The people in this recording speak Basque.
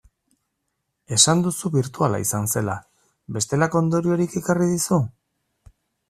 Esan duzu birtuala izan zela, bestelako ondoriorik ekarri dizu?